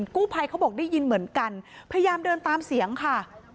กู้ภัยเขาบอกได้ยินเหมือนกันพยายามเดินตามเสียงค่ะ